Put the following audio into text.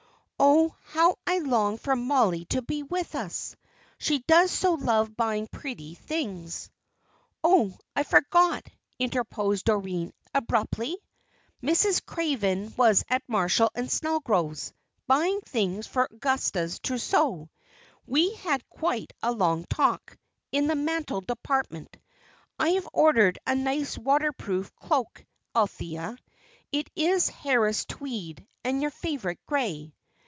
Oh, how I longed for Mollie to be with us! She does so love buying pretty things." "Oh, I forgot," interposed Doreen, abruptly. "Mrs. Craven was at Marshall & Snellgrove's, buying things for Augusta's trousseau. We had quite a long talk, in the mantle department. I have ordered a nice waterproof cloak, Althea; it is Harris tweed, and your favourite grey."